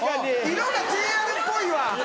色がＪＲっぽいわ。